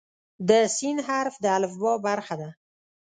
د "س" حرف د الفبا برخه ده.